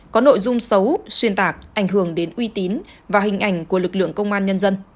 có nội dung xấu xuyên tạc ảnh hưởng đến uy tín